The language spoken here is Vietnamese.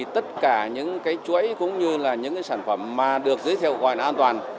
tất cả những chuỗi cũng như những sản phẩm mà được giới thiệu gọi là an toàn